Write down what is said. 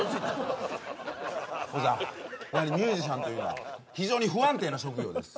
やはりミュージシャンというのは非常に不安定な職業です